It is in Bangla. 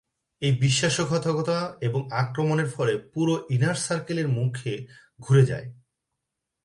এই বিশ্বাসঘাতকতা এবং আক্রমণের ফলে পুরো ইনার সার্কেলের মুখ ঘুরে যায়।